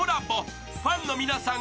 ［ファンの皆さん。